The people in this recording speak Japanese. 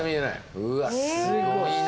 うわすごいな。